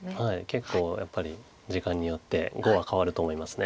結構やっぱり時間によって碁は変わると思います。